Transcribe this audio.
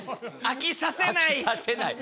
飽きさせない。